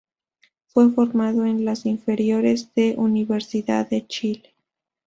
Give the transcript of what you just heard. Fue formado en las inferiores de Universidad de Chile.